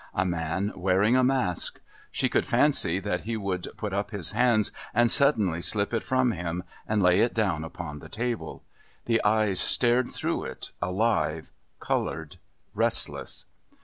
A man wearing a mask. She could fancy that he would put up his hands and suddenly slip it from him and lay it down upon the table. The eyes stared through it, alive, coloured, restless.